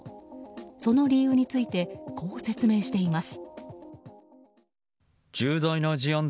その理由についてこう説明しています。